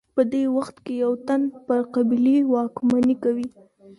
په دې وخت کي یو تن پر قبیلې واکمني کوي.